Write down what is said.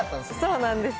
そうなんです。